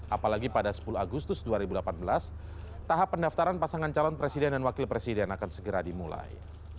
apalagi pada sepuluh agustus dua ribu delapan belas tahap pendaftaran pasangan calon presiden dan wakil presiden akan segera dimulai